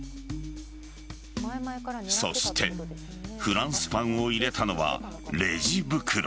そしてフランスパンを入れたのはレジ袋。